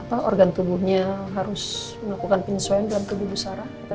apa organ tubuhnya harus melakukan penyesuaian dalam kebudusan